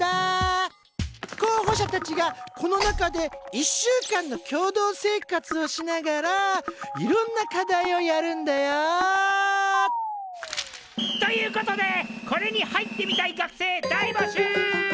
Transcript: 候補者たちがこの中で１週間の共同生活をしながらいろんな課題をやるんだよ。ということでこれに入ってみたい学生大募集！